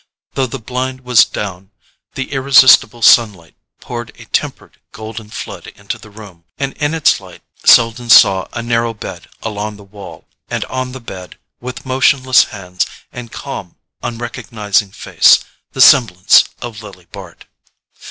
Though the blind was down, the irresistible sunlight poured a tempered golden flood into the room, and in its light Selden saw a narrow bed along the wall, and on the bed, with motionless hands and calm unrecognizing face, the semblance of Lily Bart.